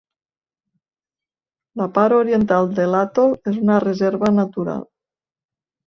La part oriental de l'atol és una reserva natural.